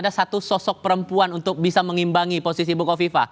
ada satu sosok perempuan untuk bisa mengimbangi posisi ibu kofifa